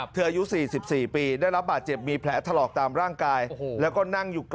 เธออายุ๔๔ปีได้รับบาดเจ็บมีแผลถลอกตามร่างกาย